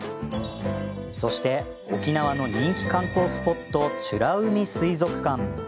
そして、沖縄の人気観光スポット美ら海水族館。